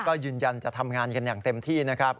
ก็ยืนยันจะทำงานกันอย่างเต็มที่นะครับ